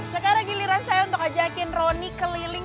sekarang giliran saya untuk ajakin rony keliling